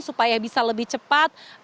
supaya bisa lebih cepat